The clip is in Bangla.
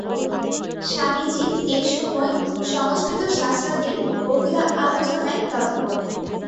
স্বামীজী এই সময় সংস্কৃত শাস্ত্রাদির বহুধা আলোচনায় তৎপর।